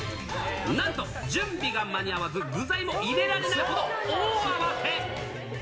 なんと準備が間に合わず、具材も入れられないほど大慌て。